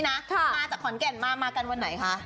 มาจากขอนแก่นมามากันวันไหนคะ